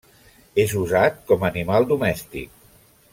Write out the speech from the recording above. És usat com a animal domèstic.